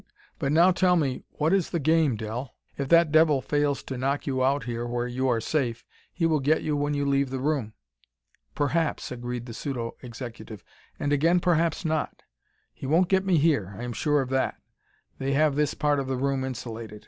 But now tell me what is the game, Del. If that devil fails to knock you out here where you are safe, he will get you when you leave the room." "Perhaps," agreed the pseudo executive, "and again, perhaps not. He won't get me here; I am sure of that. They have this part of the room insulated.